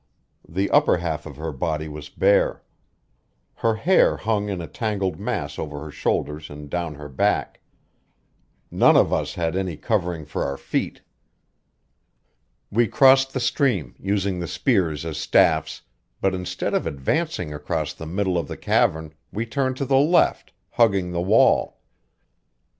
The upper half of her body was bare. Her hair hung in a tangled mass over her shoulders and down her back. None of us had any covering for our feet. We crossed the stream, using the spears as staffs; but instead of advancing across the middle of the cavern we turned to the left, hugging the wall.